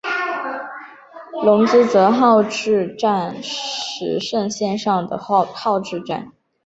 泷之泽号志站石胜线上的号志站。